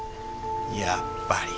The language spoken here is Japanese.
やっぱり。